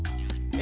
え